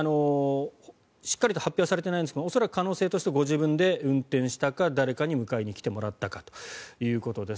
しっかりと発表はされてないんですが恐らく可能性としてご自分で運転したか誰かに迎えに来てもらったかということです。